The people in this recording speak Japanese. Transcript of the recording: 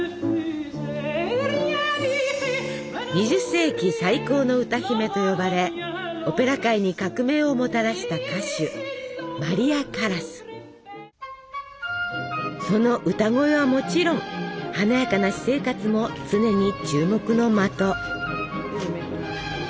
２０世紀最高の歌姫と呼ばれオペラ界に革命をもたらした歌手その歌声はもちろん華やかな私生活も常に注目の的。